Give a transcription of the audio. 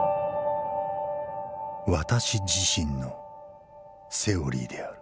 私自身のセオリーである」。